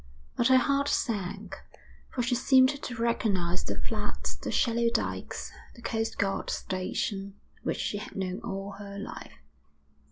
But her heart sank, for she seemed to recognise the flats, the shallow dykes, the coastguard station, which she had known all her life.